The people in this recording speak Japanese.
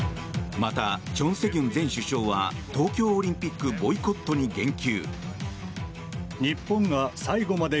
また、チョン・セギュン前首相は東京オリンピックボイコットに言及。